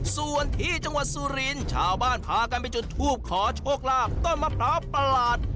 ส่วนที่จังหวัดสุรินทร์ชาวบ้านพากันไปจุดทูบขอโชคลาภต้นมะพร้าวประหลาด